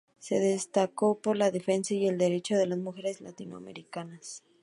Se destacó por la defensa y el derecho de las mujeres latinoamericanas.